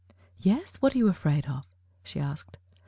"Yes? What are you afraid of?" she asked.